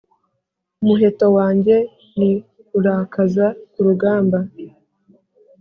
Umuheto wanjye ni Rurakaza ku rugamba,